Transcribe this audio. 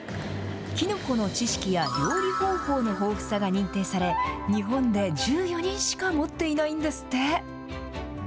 きのこの知識や料理方法の豊富さが認定され、日本で１４人しか持っていないんですって。